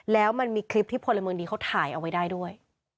แล้วมันมีคลิปที่พลเมืองดีเขาถ่ายเอาไว้ได้ด้วย